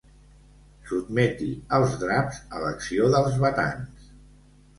Sotmeti els draps a l'acció dels batans.